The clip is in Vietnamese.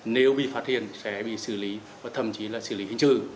nếu bị phát hiện sẽ bị xử lý và thậm chí là xử lý hình trừ